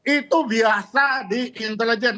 itu biasa di intelijen